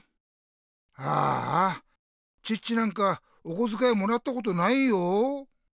ああチッチなんかおこづかいもらったことないよ。